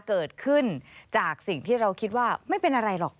เกิดขึ้นจากสิ่งที่เราคิดว่าไม่เป็นอะไรหรอก